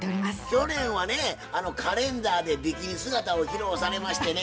去年はねあのカレンダーでビキニ姿を披露されましてね。